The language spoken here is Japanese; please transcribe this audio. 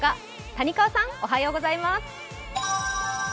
谷川さん、おはようございます。